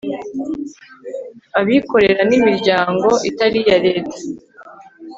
abikorera n' imiryango itari iya leta